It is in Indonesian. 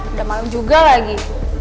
udah malem juga lagi